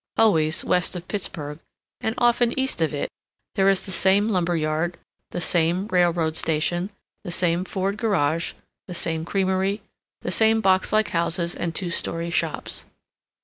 Always, west of Pittsburg, and often, east of it, there is the same lumber yard, the same railroad station, the same Ford garage, the same creamery, the same box like houses and two story shops.